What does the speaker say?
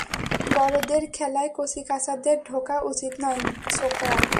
বড়োদের খেলায় কচি-কাচাদের ঢোকা উচিত নয়, ছোকরা।